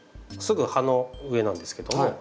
すぐ葉の上なんですけども。